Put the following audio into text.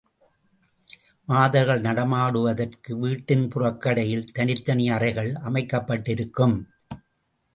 மாதர்கள் நடமாடுவதற்கு வீட்டின் புறக்கடையில் தனித்தனி அறைகள் அமைக்கப் பட்டிருக்கும்.